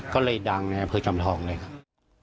ก็เลยดังในอำเภอจอมทองเลยครับ